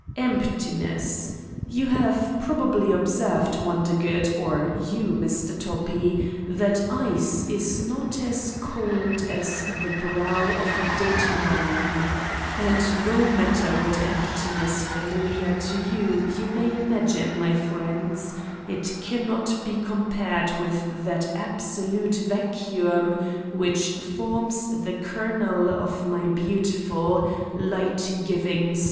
Emptiness. You have probably observed, Wondergood, or you, Mr. Toppi, that ice is not as cold as the brow of a dead man 1 And no matter what emptiness famil iar to you you may imagine, my friends, it cannot be compared with that absolute vacuum which forms the kernel of my beautiful, light giving star.